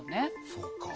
そうか。